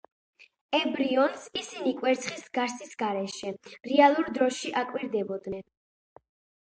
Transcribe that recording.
ემბრიონს ისინი კვერცხის გარსის გარეშე, რეალურ დროში აკვირდებოდნენ.